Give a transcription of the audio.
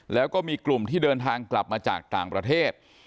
แล้วก็มีกลุ่มที่เดินทางกลับมาจากต่างประเทศ